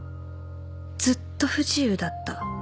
「ずっと不自由だった。